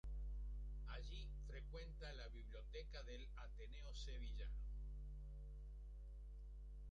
Allí frecuenta la biblioteca del Ateneo sevillano.